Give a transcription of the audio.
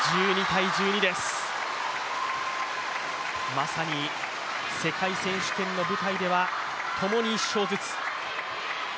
まさに世界選手権の舞台ではともに１勝ずつ。